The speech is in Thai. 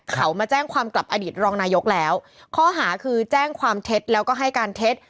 เขามาแจ้งความกลับอดีตรองนายกแล้วข้อหาคือแจ้งความเท็จแล้วก็ให้การเท็จ